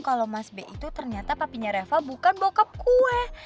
kalau mas b itu ternyata papinya reva bukan bokap kue